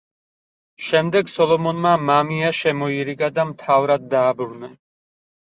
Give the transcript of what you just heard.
შემდეგ სოლომონმა მამია შემოირიგა და მთავრად დააბრუნა.